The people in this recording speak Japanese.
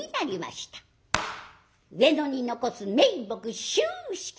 上野に残す名木秋色。